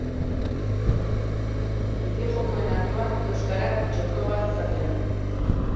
Bideojokoen arloan euskarak txoko bat izatea